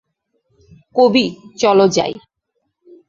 কবি, চলো যাই।